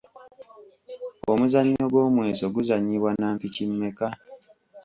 Omuzannyo gw’omweso guzannyibwa na mpiki mmeka ?